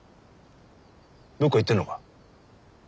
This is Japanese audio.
どっか行ってんのか？